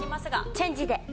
チェンジで。